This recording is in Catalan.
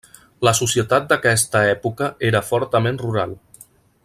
La societat d'aquesta època era fortament rural.